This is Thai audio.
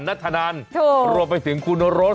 สวัสดีครับสวัสดีครับ